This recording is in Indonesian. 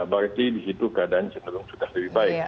berarti di situ keadaan cenderung sudah lebih baik